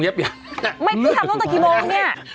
ไม่คุณทำตั้งแต่กี่โมงเนี่ยทำตีหรอ